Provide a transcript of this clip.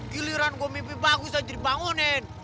giliran gua mimpi bagus aja dibangunin